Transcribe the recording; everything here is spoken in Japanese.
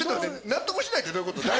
納得しないってどういうこと？